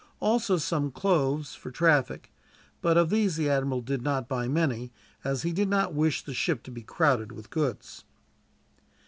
Also some cloves for traffic; but of these the admiral did not buy many, as he did not wish the ship to be crowded with goods.